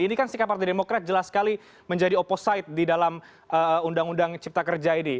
ini kan sikap partai demokrat jelas sekali menjadi oposite di dalam undang undang cipta kerja ini